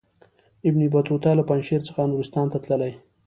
ابن بطوطه له پنجشیر څخه نورستان ته تللی.